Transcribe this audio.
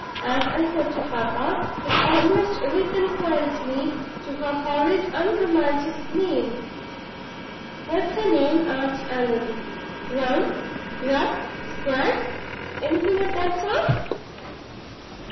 As I said to papa, it almost reconciles me to her horrid, unromantic name." "What is her name?" asked Allan. "Brown? Grubb? Scraggs? Anything of that sort?"